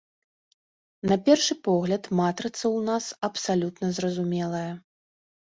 На першы погляд, матрыца ў нас абсалютна зразумелая.